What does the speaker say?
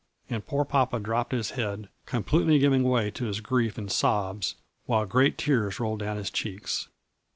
And poor papa dropped his head, com pletely giving way to his grief in sobs, while great tears rolled down his cheeks.